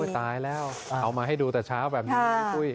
ตายแล้วเอามาให้ดูแต่เช้าแบบนี้พี่ปุ้ย